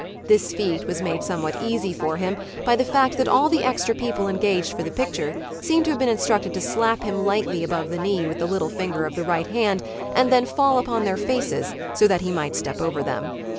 This feat was made somewhat easy for him by the fact that all the extra people engaged for the picture seemed to have been instructed to slap him lightly above the knee with the little finger of the right hand and then fall upon their faces so that he might step over them.